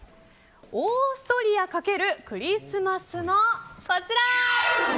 オーストリア×クリスマスのこちら。